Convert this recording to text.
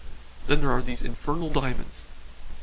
Then there are these infernal diamonds.